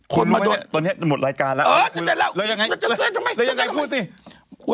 ตอนนี้หมดรายการแล้วแล้วยังไงพูดสิ